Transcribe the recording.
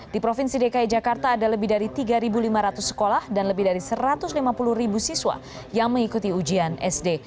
di provinsi dki jakarta ada lebih dari tiga lima ratus sekolah dan lebih dari satu ratus lima puluh siswa yang mengikuti ujian sd